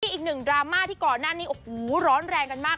อีกหนึ่งดราม่าที่ก่อนหน้านี้โอ้โหร้อนแรงกันมาก